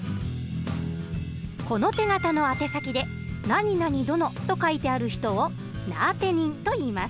この手形のあて先で「何々殿」と書いてある人を「名あて人」といいます。